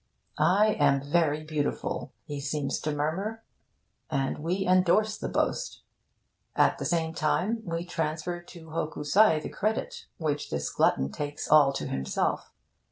'I am very beautiful,' he seems to murmur. And we endorse the boast. At the same time, we transfer to Hokusai the credit which this glutton takes all to himself.